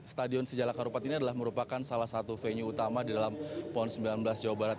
stadion sejala karupat ini adalah merupakan salah satu venue utama di dalam pon sembilan belas jawa barat